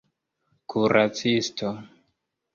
kuracisto